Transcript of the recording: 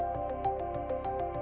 tempat yang ada di tayungnya